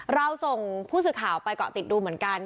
เราส่งผู้สื่อข่าวไปเกาะติดดูเหมือนกัน